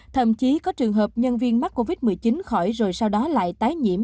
thậm chí có trường hợp nhân viên mắc covid một mươi chín khỏi rồi sau đó lại tái nhiễm